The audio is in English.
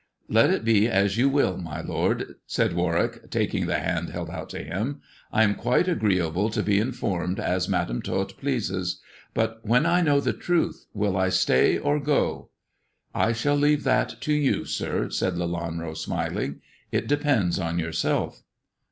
" Let it be as you will, my lord," said Warwick, taking the hand held out to him. '^ I am quite agreeable to be THE dwarf's chamber 145 informed as Madam Tot pleases ; but when I know the truth will I stay or go ]"" I shall leave that to you, sir," said Lelanro, smiling. " It depends on yourself."